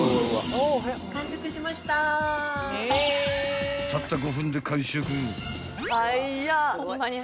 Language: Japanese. ［たった５分で完食］